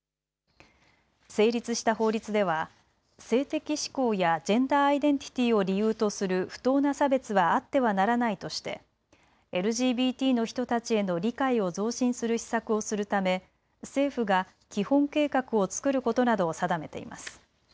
成立した法律では性的指向やジェンダーアイデンティティを理由とする不当な差別はあってはならないとしてＬＧＢＴの人たちへの理解を増進する施策をするため政府が基本計画を作ることなどを定めています。